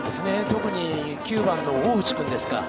特に９番の大内君ですか。